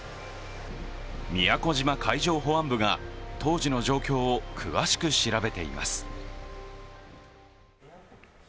宮古島海上保安部が当時の状況を詳しく調べています。